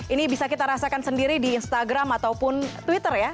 ini bisa kita rasakan sendiri di instagram ataupun twitter ya